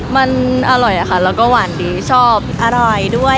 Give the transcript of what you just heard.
มันอร่อยอะค่ะแล้วก็หวานดีชอบอร่อยด้วย